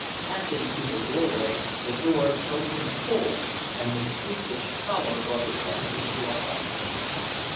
Passing through the doorway the door smote him full, and the shriek which followed brought the dancing to a halt.